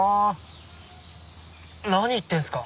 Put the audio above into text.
何言ってんすか。